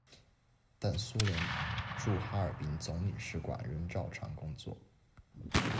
但苏联驻哈尔滨总领事馆仍照常工作。